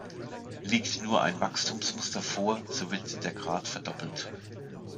Liegt nur ein Wachstumsmuster vor, so wird der Grad verdoppelt.